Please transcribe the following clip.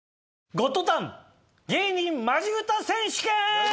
『ゴッドタン芸人マジ歌選手権』！